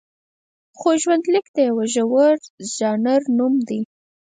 خو ژوندلیک د یوه زړور ژانر نوم دی.